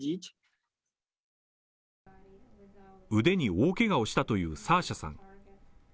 腕に大けがをしたというサーシャさん。